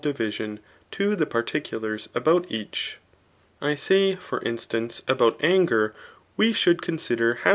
division to the particulars a^out .each« I say, for instaac^ about anger Qwe shoul4 consider^ how.